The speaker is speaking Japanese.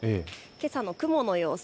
けさの雲の様子